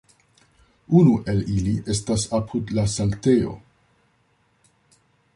Unu el ili estas apud la Sanktejo.